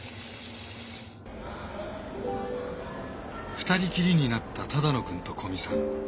２人きりになった只野くんと古見さん